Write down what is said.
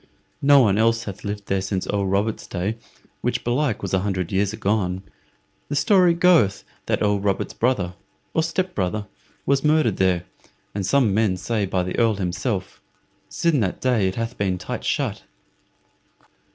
No one else hath lived there since Earl Robert's day, which belike was an hundred years agone. The story goeth that Earl Robert's brother or step brother was murdered there, and some men say by the Earl himself. Sin that day it hath been tight shut."